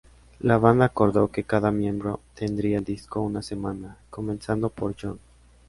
La banda acordó que cada miembro tendría el disco una semana, comenzando por John.